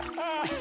し。